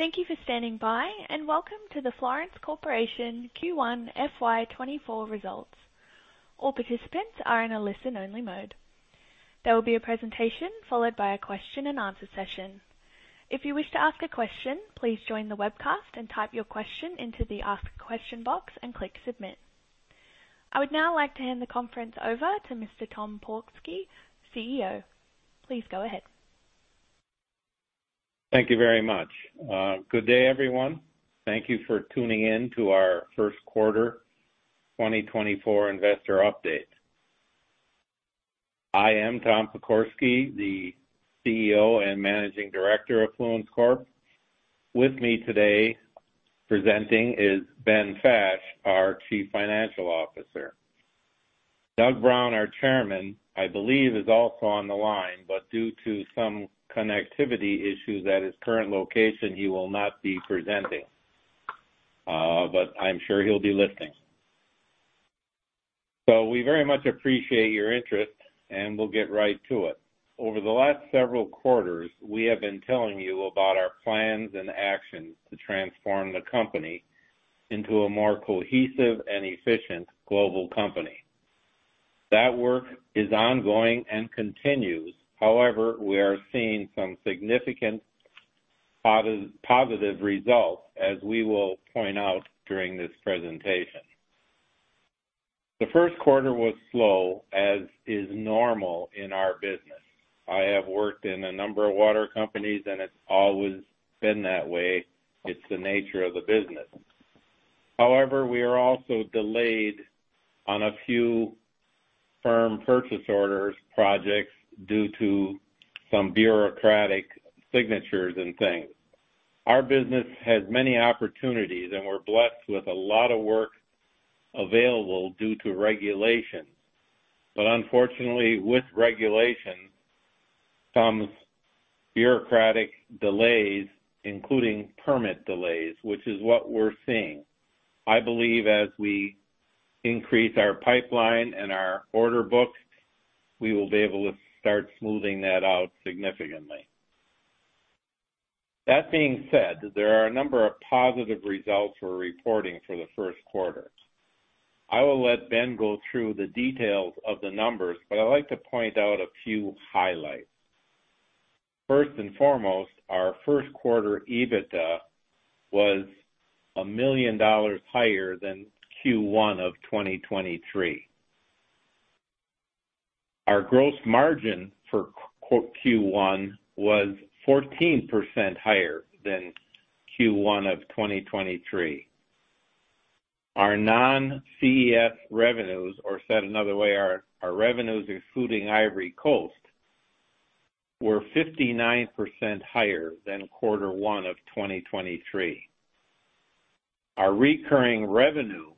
Thank you for standing by, and welcome to the Fluence Corporation Q1 FY 2024 results. All participants are in a listen-only mode. There will be a presentation followed by a question-and-answer session. If you wish to ask a question, please join the webcast and type your question into the Ask Question box and click Submit. I would now like to hand the conference over to Mr. Tom Pokorsky, CEO. Please go ahead. Thank you very much. Good day, everyone. Thank you for tuning in to our first quarter 2024 investor update. I am Tom Pokorsky, the CEO and Managing Director of Fluence Corp. With me today presenting is Ben Fash, our Chief Financial Officer. Doug Brown, our Chairman, I believe, is also on the line, but due to some connectivity issues at his current location, he will not be presenting. But I'm sure he'll be listening. So we very much appreciate your interest, and we'll get right to it. Over the last several quarters, we have been telling you about our plans and actions to transform the company into a more cohesive and efficient global company. That work is ongoing and continues. However, we are seeing some significant positive results, as we will point out during this presentation. The first quarter was slow, as is normal in our business. I have worked in a number of water companies, and it's always been that way. It's the nature of the business. However, we are also delayed on a few firm purchase orders projects due to some bureaucratic signatures and things. Our business has many opportunities, and we're blessed with a lot of work available due to regulations. But unfortunately, with regulations comes bureaucratic delays, including permit delays, which is what we're seeing. I believe as we increase our pipeline and our order books, we will be able to start smoothing that out significantly. That being said, there are a number of positive results we're reporting for the first quarter. I will let Ben go through the details of the numbers, but I'd like to point out a few highlights. First and foremost, our first quarter EBITDA was $1 million higher than Q1 of 2023. Our gross margin for Q1 was 14% higher than Q1 of 2023. Our non-CES revenues or said another way, our revenues excluding Ivory Coast were 59% higher than quarter one of 2023. Our recurring revenue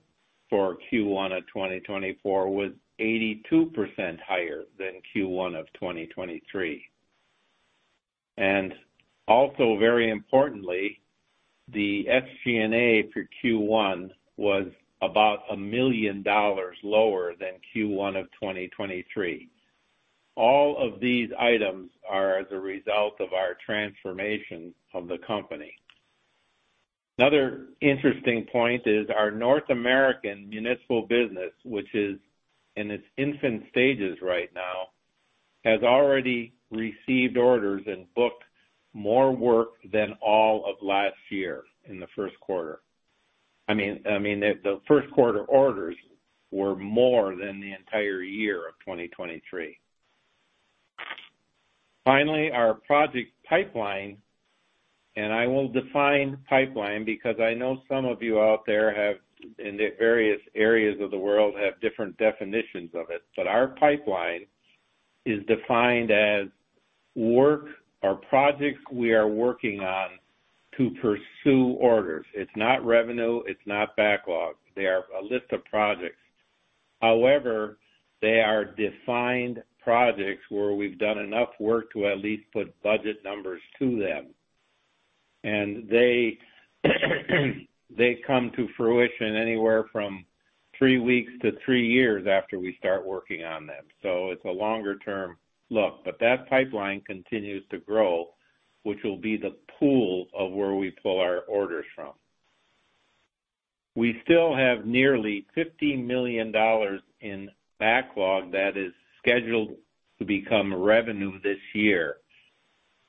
for Q1 of 2024 was 82% higher than Q1 of 2023. And also, very importantly, the SG&A for Q1 was about $1 million lower than Q1 of 2023. All of these items are as a result of our transformation of the company. Another interesting point is our North American municipal business, which is in its infant stages right now, has already received orders and booked more work than all of last year in the first quarter. I mean, the first quarter orders were more than the entire year of 2023. Finally, our project pipeline, and I will define pipeline because I know some of you out there in various areas of the world have different definitions of it, but our pipeline is defined as work or projects we are working on to pursue orders. It's not revenue. It's not backlog. They are a list of projects. However, they are defined projects where we've done enough work to at least put budget numbers to them. And they come to fruition anywhere from three weeks to three years after we start working on them. So it's a longer-term look. But that pipeline continues to grow, which will be the pool of where we pull our orders from. We still have nearly $50 million in backlog that is scheduled to become revenue this year,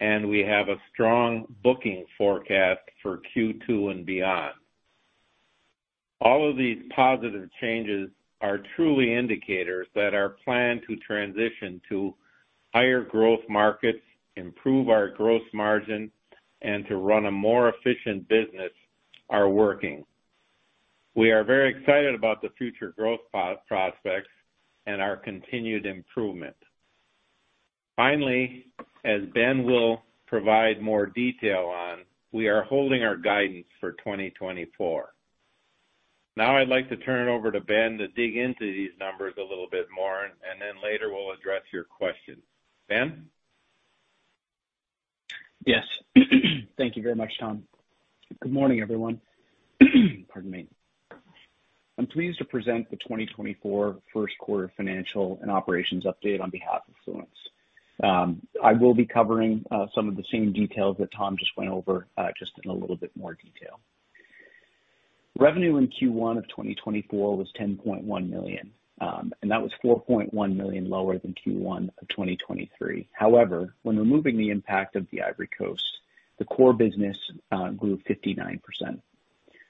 and we have a strong booking forecast for Q2 and beyond. All of these positive changes are truly indicators that our plan to transition to higher growth markets, improve our gross margin, and to run a more efficient business are working. We are very excited about the future growth prospects and our continued improvement. Finally, as Ben will provide more detail on, we are holding our guidance for 2024. Now I'd like to turn it over to Ben to dig into these numbers a little bit more, and then later we'll address your questions. Ben? Yes. Thank you very much, Tom. Good morning, everyone. Pardon me. I'm pleased to present the 2024 first quarter financial and operations update on behalf of Fluence. I will be covering some of the same details that Tom just went over, just in a little bit more detail. Revenue in Q1 of 2024 was $10.1 million, and that was $4.1 million lower than Q1 of 2023. However, when removing the impact of the Ivory Coast, the core business grew 59%.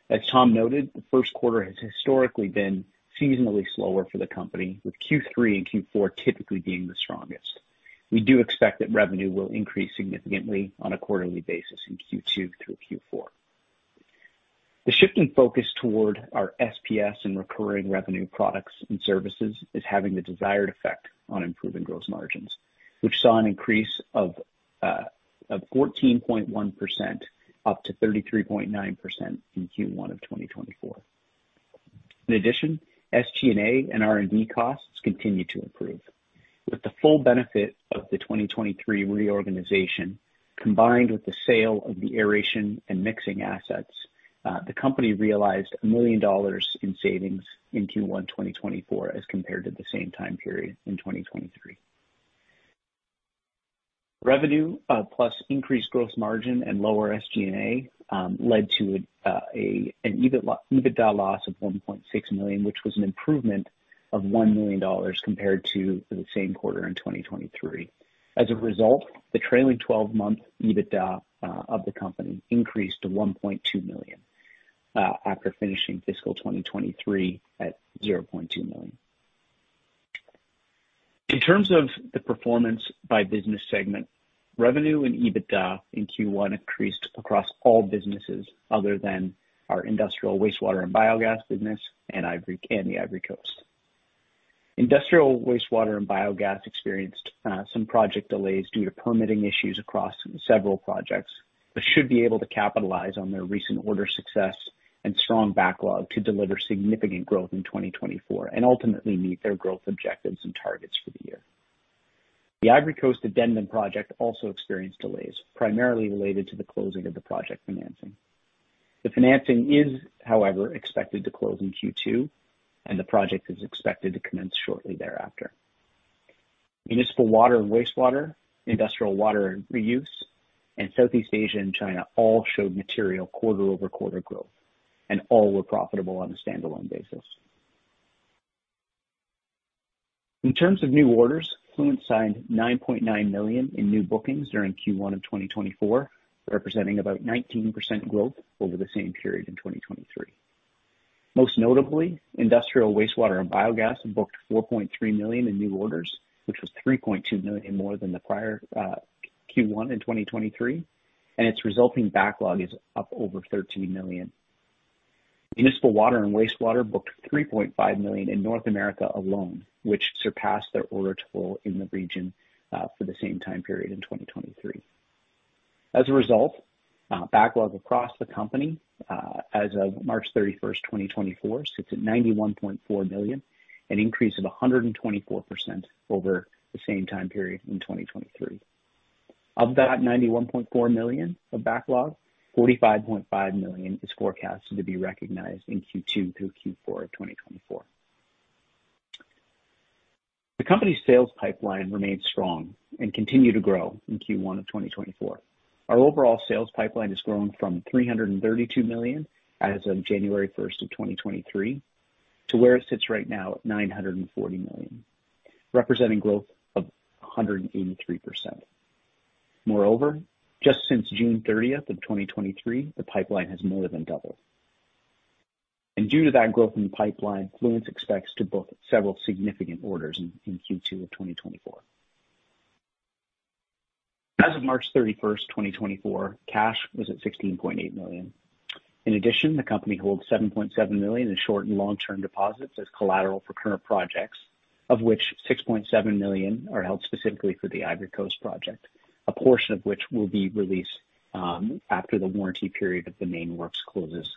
As Tom noted, the first quarter has historically been seasonally slower for the company, with Q3 and Q4 typically being the strongest. We do expect that revenue will increase significantly on a quarterly basis in Q2 through Q4. The shift in focus toward our SPS and recurring revenue products and services is having the desired effect on improving gross margins, which saw an increase of 14.1% up to 33.9% in Q1 of 2024. In addition, SG&A and R&D costs continue to improve. With the full benefit of the 2023 reorganization combined with the sale of the aeration and mixing assets, the company realized $1 million in savings in Q1 2024 as compared to the same time period in 2023. Revenue plus increased gross margin and lower SG&A led to an EBITDA loss of $1.6 million, which was an improvement of $1 million compared to the same quarter in 2023. As a result, the trailing 12-month EBITDA of the company increased to $1.2 million after finishing fiscal 2023 at $0.2 million. In terms of the performance by business segment, revenue and EBITDA in Q1 increased across all businesses other than our industrial wastewater and biogas business and the Ivory Coast. Industrial wastewater and biogas experienced some project delays due to permitting issues across several projects, but should be able to capitalize on their recent order success and strong backlog to deliver significant growth in 2024 and ultimately meet their growth objectives and targets for the year. The Ivory Coast addendum project also experienced delays, primarily related to the closing of the project financing. The financing is, however, expected to close in Q2, and the project is expected to commence shortly thereafter. Municipal water and wastewater, industrial water reuse, and Southeast Asia and China all showed material quarter-over-quarter growth and all were profitable on a standalone basis. In terms of new orders, Fluence signed $9.9 million in new bookings during Q1 of 2024, representing about 19% growth over the same period in 2023. Most notably, industrial wastewater and biogas booked $4.3 million in new orders, which was $3.2 million more than the prior Q1 in 2023, and its resulting backlog is up over $13 million. Municipal water and wastewater booked $3.5 million in North America alone, which surpassed their order total in the region for the same time period in 2023. As a result, backlog across the company as of March 31st, 2024, sits at $91.4 million, an increase of 124% over the same time period in 2023. Of that $91.4 million of backlog, $45.5 million is forecast to be recognized in Q2 through Q4 of 2024. The company's sales pipeline remained strong and continued to grow in Q1 of 2024. Our overall sales pipeline has grown from $332 million as of January 1st of 2023 to where it sits right now at $940 million, representing growth of 183%. Moreover, just since June 30th of 2023, the pipeline has more than doubled. And due to that growth in the pipeline, Fluence expects to book several significant orders in Q2 of 2024. As of March 31st, 2024, cash was at $16.8 million. In addition, the company holds $7.7 million in short and long-term deposits as collateral for current projects, of which $6.7 million are held specifically for the Ivory Coast project, a portion of which will be released after the warranty period of the main works closes.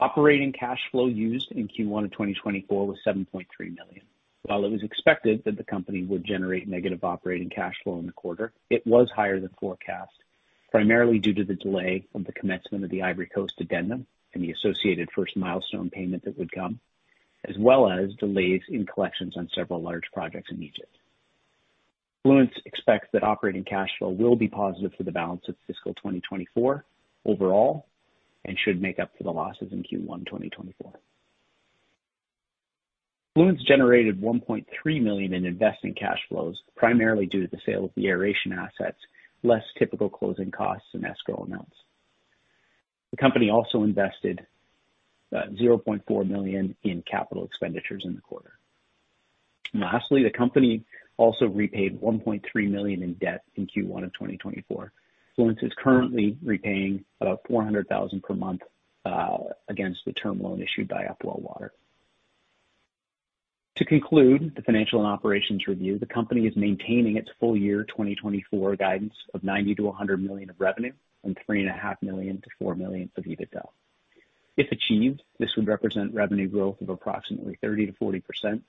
Operating cash flow used in Q1 of 2024 was $7.3 million. While it was expected that the company would generate negative operating cash flow in the quarter, it was higher than forecast, primarily due to the delay of the commencement of the Ivory Coast addendum and the associated first milestone payment that would come, as well as delays in collections on several large projects in Egypt. Fluence expects that operating cash flow will be positive for the balance of fiscal 2024 overall and should make up for the losses in Q1 2024. Fluence generated $1.3 million in investing cash flows, primarily due to the sale of the aeration assets, less typical closing costs, and escrow amounts. The company also invested $0.4 million in capital expenditures in the quarter. Lastly, the company also repaid $1.3 million in debt in Q1 of 2024. Fluence is currently repaying about $400,000 per month against the term loan issued by Upwell Water. To conclude the financial and operations review, the company is maintaining its full year 2024 guidance of $90 million-$100 million of revenue and $3.5 million-$4 million of EBITDA. If achieved, this would represent revenue growth of approximately 30%-40%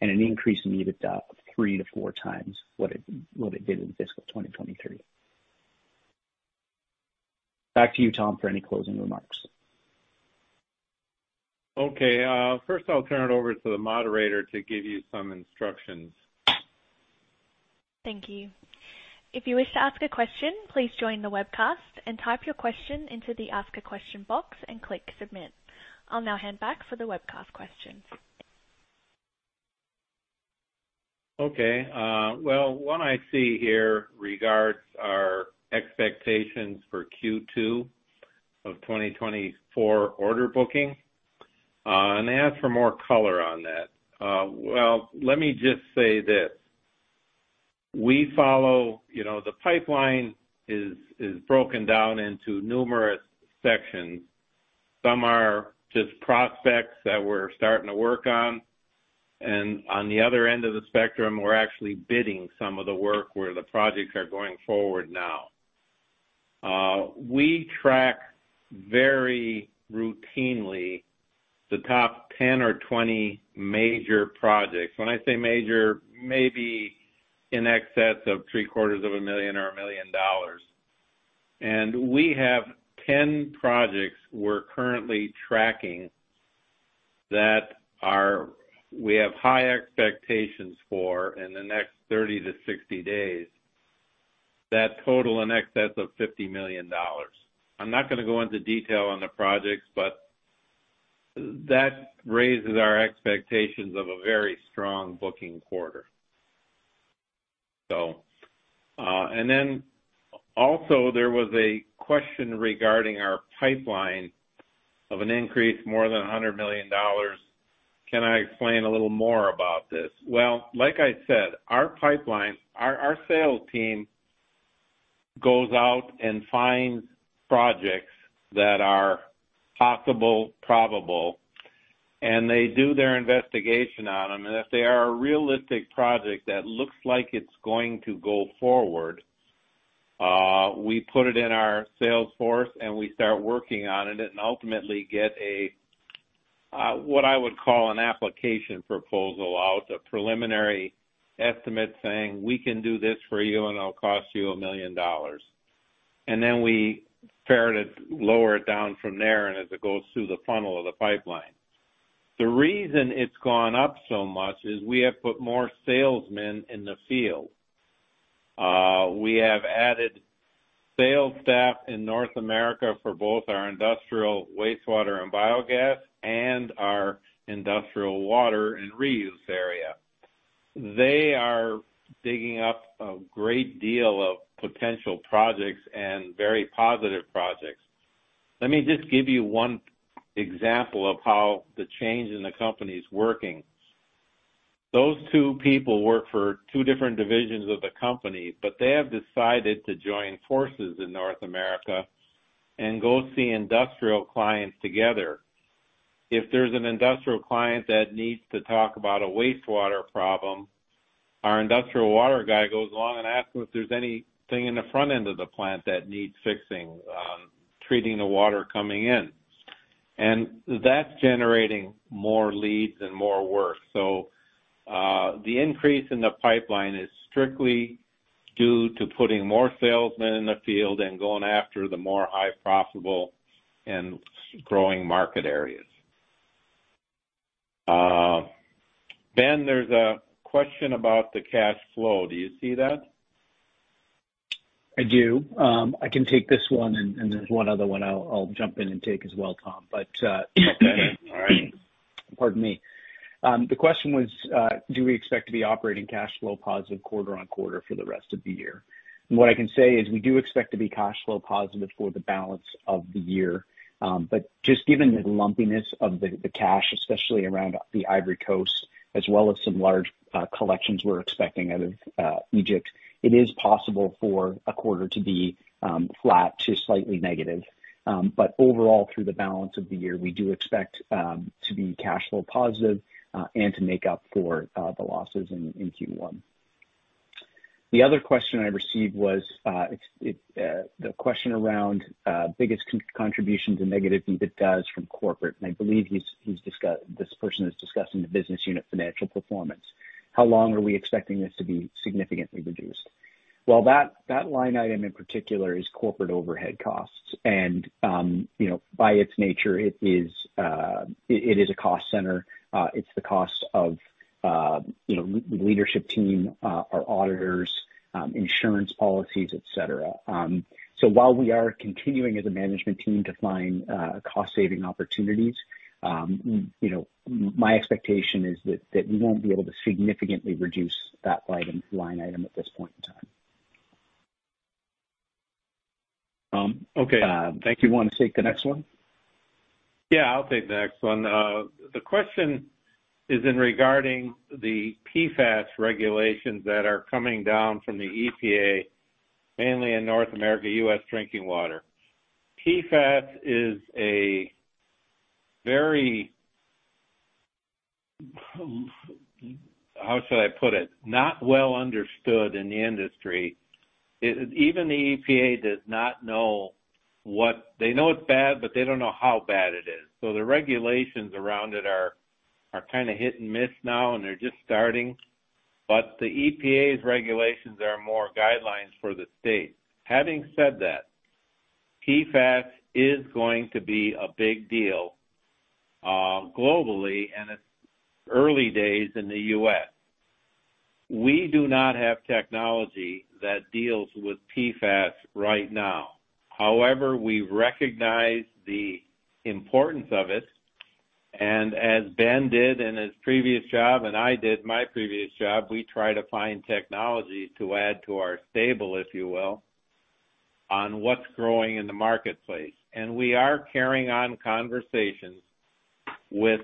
and an increase in EBITDA of 3-4 times what it did in fiscal 2023. Back to you, Tom, for any closing remarks. Okay. First, I'll turn it over to the moderator to give you some instructions. Thank you. If you wish to ask a question, please join the webcast and type your question into the Ask a Question box and click Submit. I'll now hand back for the webcast questions. Okay. Well, what I see here regards our expectations for Q2 of 2024 order booking, and they ask for more color on that. Well, let me just say this. The pipeline is broken down into numerous sections. Some are just prospects that we're starting to work on. And on the other end of the spectrum, we're actually bidding some of the work where the projects are going forward now. We track very routinely the top 10 or 20 major projects. When I say major, maybe in excess of $750,000 or $1 million. And we have 10 projects we're currently tracking that we have high expectations for in the next 30-60 days, that total in excess of $50 million. I'm not going to go into detail on the projects, but that raises our expectations of a very strong booking quarter, so. And then also, there was a question regarding our pipeline of an increase more than $100 million. Can I explain a little more about this? Well, like I said, our sales team goes out and finds projects that are possible, probable, and they do their investigation on them. And if they are a realistic project that looks like it's going to go forward, we put it in our Salesforce, and we start working on it and ultimately get what I would call an application proposal out, a preliminary estimate saying, "We can do this for you, and it'll cost you $1 million." And then we lower it down from there, and as it goes through the funnel of the pipeline. The reason it's gone up so much is we have put more salesmen in the field. We have added sales staff in North America for both our industrial wastewater and biogas and our industrial water and reuse area. They are digging up a great deal of potential projects and very positive projects. Let me just give you one example of how the change in the company's working. Those two people work for two different divisions of the company, but they have decided to join forces in North America and go see industrial clients together. If there's an industrial client that needs to talk about a wastewater problem, our industrial water guy goes along and asks them if there's anything in the front end of the plant that needs fixing, treating the water coming in. And that's generating more leads and more work. The increase in the pipeline is strictly due to putting more salesmen in the field and going after the more high-profitable and growing market areas. Ben, there's a question about the cash flow. Do you see that? I do. I can take this one, and there's one other one I'll jump in and take as well, Tom. But. Okay. All right. Pardon me. The question was, do we expect to be operating cash flow positive quarter on quarter for the rest of the year? What I can say is we do expect to be cash flow positive for the balance of the year. Just given the lumpiness of the cash, especially around the Ivory Coast, as well as some large collections we're expecting out of Egypt, it is possible for a quarter to be flat to slightly negative. Overall, through the balance of the year, we do expect to be cash flow positive and to make up for the losses in Q1. The other question I received was the question around biggest contribution to negative EBITDA from corporate. I believe this person is discussing the business unit financial performance. How long are we expecting this to be significantly reduced? Well, that line item in particular is corporate overhead costs. By its nature, it is a cost center. It's the cost of the leadership team, our auditors, insurance policies, etc. While we are continuing as a management team to find cost-saving opportunities, my expectation is that we won't be able to significantly reduce that line item at this point in time. Okay. Thank you. Do you want to take the next one? Yeah, I'll take the next one. The question is regarding the PFAS regulations that are coming down from the EPA, mainly in North America, U.S. drinking water. PFAS is a very—how should I put it?—not well understood in the industry. Even the EPA does not know what they know; it's bad, but they don't know how bad it is. So the regulations around it are kind of hit and miss now, and they're just starting. But the EPA's regulations are more guidelines for the states. Having said that, PFAS is going to be a big deal globally, and it's early days in the U.S. We do not have technology that deals with PFAS right now. However, we recognize the importance of it. As Ben did in his previous job and I did in my previous job, we try to find technology to add to our stable, if you will, on what's growing in the marketplace. We are carrying on conversations with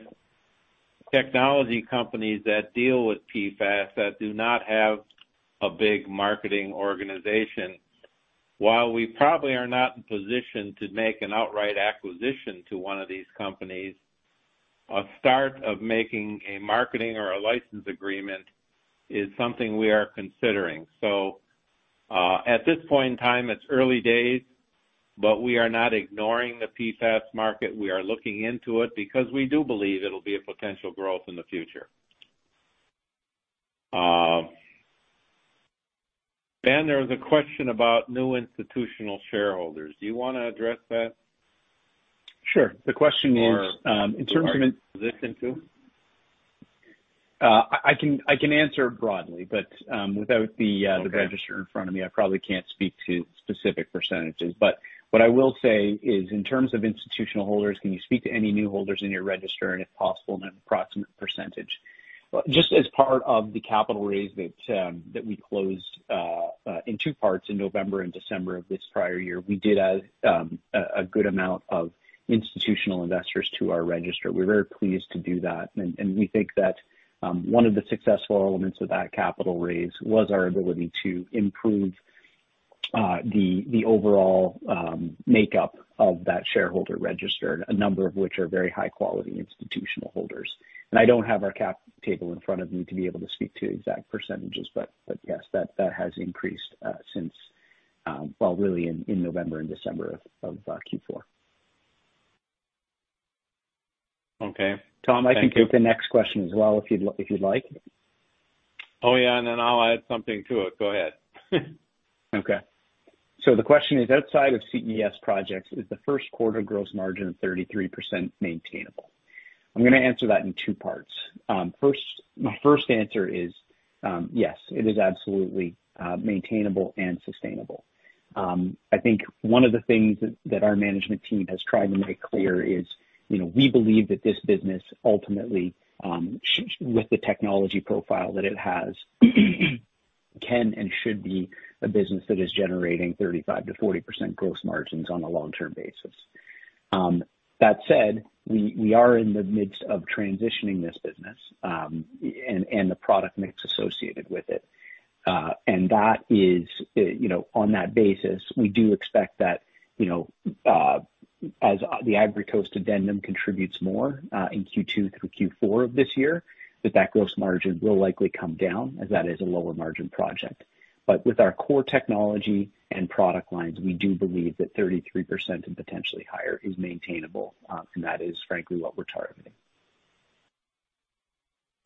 technology companies that deal with PFAS that do not have a big marketing organization. While we probably are not in position to make an outright acquisition to one of these companies, a start of making a marketing or a license agreement is something we are considering. At this point in time, it's early days, but we are not ignoring the PFAS market. We are looking into it because we do believe it'll be a potential growth in the future. Ben, there was a question about new institutional shareholders. Do you want to address that? Sure. The question is, in terms of. Or are you in position to? I can answer broadly, but without the register in front of me, I probably can't speak to specific percentages. But what I will say is, in terms of institutional holders, can you speak to any new holders in your register and, if possible, an approximate percentage? Just as part of the capital raise that we closed in two parts in November and December of this prior year, we did a good amount of institutional investors to our register. We're very pleased to do that. And we think that one of the successful elements of that capital raise was our ability to improve the overall makeup of that shareholder register, a number of which are very high-quality institutional holders. I don't have our cap table in front of me to be able to speak to exact percentages, but yes, that has increased since, well, really in November and December of Q4. Okay. Tom, I can take the next question as well if you'd like. Oh, yeah. And then I'll add something to it. Go ahead. Okay. So the question is, outside of CES projects, is the first quarter gross margin of 33% maintainable? I'm going to answer that in two parts. My first answer is, yes, it is absolutely maintainable and sustainable. I think one of the things that our management team has tried to make clear is we believe that this business, ultimately, with the technology profile that it has, can and should be a business that is generating 35%-40% gross margins on a long-term basis. That said, we are in the midst of transitioning this business and the product mix associated with it. And on that basis, we do expect that as the Ivory Coast addendum contributes more in Q2 through Q4 of this year, that that gross margin will likely come down as that is a lower-margin project. But with our core technology and product lines, we do believe that 33% and potentially higher is maintainable, and that is, frankly, what we're targeting.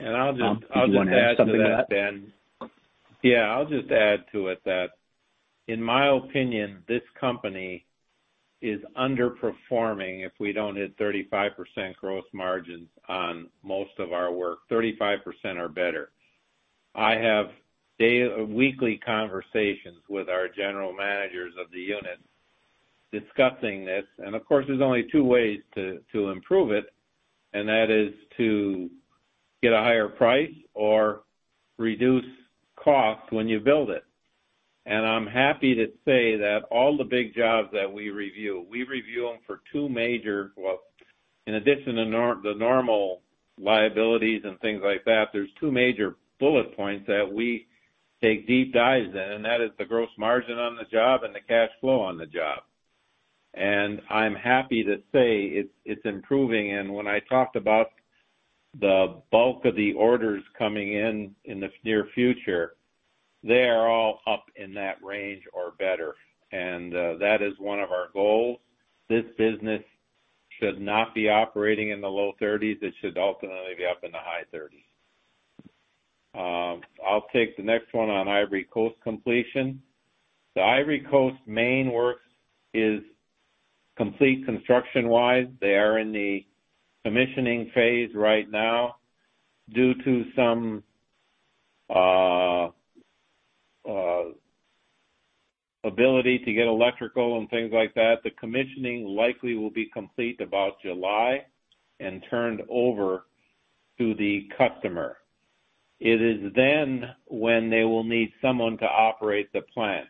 I'll just add something to that, Ben. Yeah, I'll just add to it that, in my opinion, this company is underperforming if we don't hit 35% gross margins on most of our work. 35% are better. I have daily, weekly conversations with our general managers of the unit discussing this. And of course, there's only two ways to improve it, and that is to get a higher price or reduce costs when you build it. And I'm happy to say that all the big jobs that we review, we review them for two major well, in addition to the normal liabilities and things like that, there's two major bullet points that we take deep dives in, and that is the gross margin on the job and the cash flow on the job. And I'm happy to say it's improving. When I talked about the bulk of the orders coming in in the near future, they are all up in that range or better. And that is one of our goals. This business should not be operating in the low 30s. It should ultimately be up in the high 30s. I'll take the next one on Ivory Coast completion. The Ivory Coast main works is complete construction-wise. They are in the commissioning phase right now due to some ability to get electrical and things like that. The commissioning likely will be complete about July and turned over to the customer. It is then when they will need someone to operate the plant.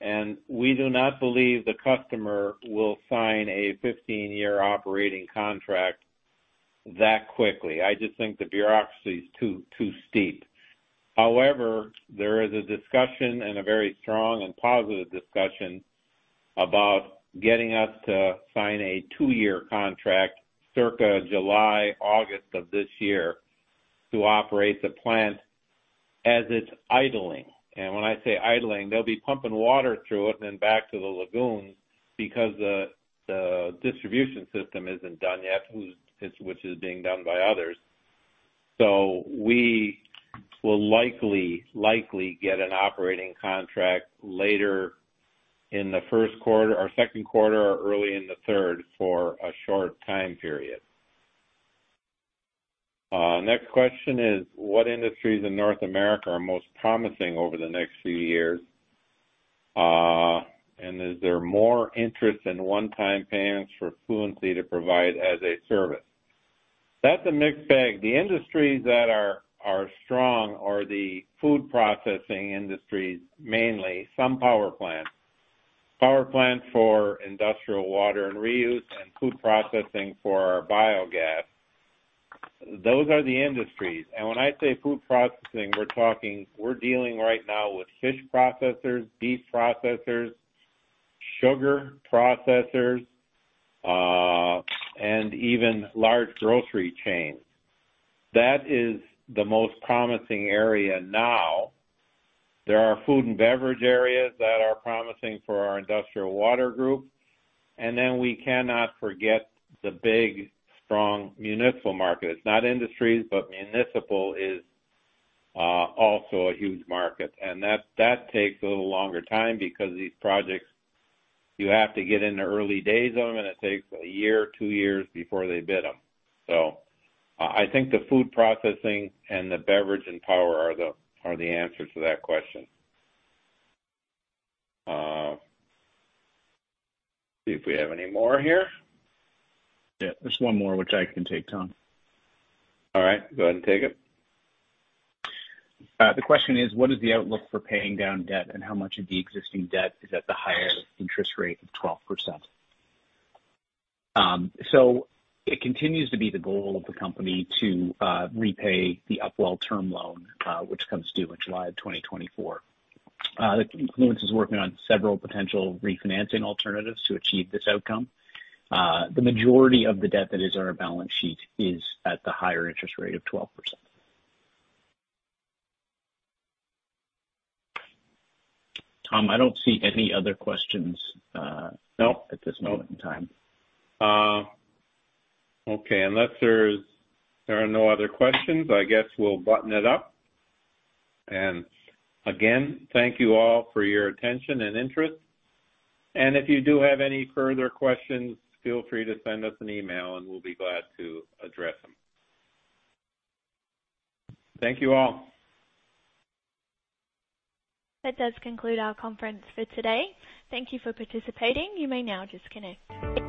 And we do not believe the customer will sign a 15-year operating contract that quickly. I just think the bureaucracy is too steep. However, there is a discussion and a very strong and positive discussion about getting us to sign a 2-year contract circa July, August of this year to operate the plant as it's idling. When I say idling, they'll be pumping water through it and then back to the lagoons because the distribution system isn't done yet, which is being done by others. We will likely get an operating contract later in the first quarter or second quarter or early in the third for a short time period. Next question is, what industries in North America are most promising over the next few years? And is there more interest in one-time payments for Fluence to provide as a service? That's a mixed bag. The industries that are strong are the food processing industries mainly, some power plants, power plants for industrial water and reuse, and food processing for our biogas. Those are the industries. And when I say food processing, we're dealing right now with fish processors, beef processors, sugar processors, and even large grocery chains. That is the most promising area now. There are food and beverage areas that are promising for our industrial water group. And then we cannot forget the big, strong municipal market. It's not industries, but municipal is also a huge market. And that takes a little longer time because these projects, you have to get in the early days of them, and it takes 1 year, 2 years before they bid them. So I think the food processing and the beverage and power are the answers to that question. See if we have any more here. Yeah. There's one more, which I can take, Tom. All right. Go ahead and take it. The question is, what is the outlook for paying down debt, and how much of the existing debt is at the higher interest rate of 12%? It continues to be the goal of the company to repay the Upwell term loan, which comes due in July of 2024. Fluence is working on several potential refinancing alternatives to achieve this outcome. The majority of the debt that is on our balance sheet is at the higher interest rate of 12%. Tom, I don't see any other questions at this moment in time. Okay. Unless there are no other questions, I guess we'll button it up. Again, thank you all for your attention and interest. If you do have any further questions, feel free to send us an email, and we'll be glad to address them. Thank you all. That does conclude our conference for today. Thank you for participating. You may now disconnect.